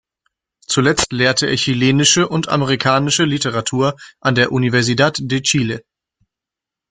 Zuletzt lehrte er chilenische und amerikanische Literatur an der Universidad de Chile.